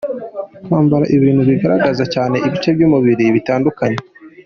Kwambara ibintu bigaragaza cyane ibice by’umubiri bitandukanye :.